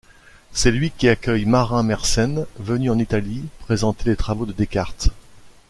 C'est lui qui accueille Marin Mersenne, venu en Italie présenter les travaux de Descartes.